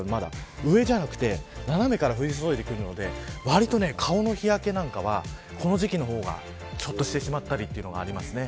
上じゃなくて斜めから降り注ぐのでわりと顔の日焼けなんかはこの時期のほうがちょっとしてしまったりというのがあります。